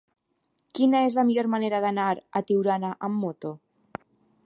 Quina és la millor manera d'anar a Tiurana amb moto?